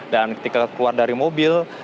dan ketika keluar dari mobil